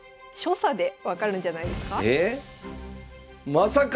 まさか！